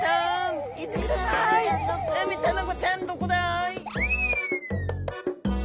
ウミタナゴちゃんどこだい？